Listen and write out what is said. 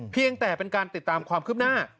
เพียงแต่เป็นการติดตามความคืบหน้า